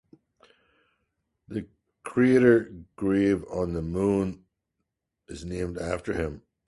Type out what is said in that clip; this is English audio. The crater Grave on the Moon is named after him.